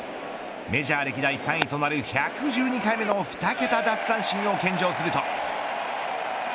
メジャー歴代３位となる１１２回目の２桁奪三振を献上すると。